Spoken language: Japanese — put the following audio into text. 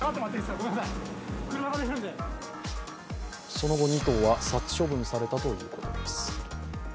その後、２頭は殺処分されたということです。